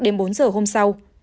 đến bốn giờ hôm sau